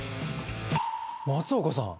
松岡さん！